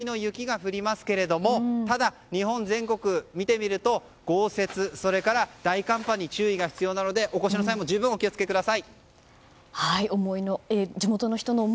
こちらにとっては恵みの雪が降りますがただ日本全国、見てみると豪雪、大寒波に注意が必要なのでお越しの際も十分お気を付けください。